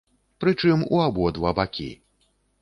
Прычым, у абодва бакі.